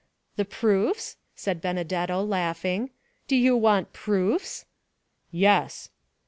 "The proofs?" said Benedetto, laughing; "do you want proofs?" "Yes."